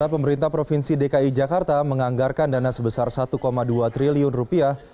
pemerintah provinsi dki jakarta menganggarkan dana sebesar satu dua triliun rupiah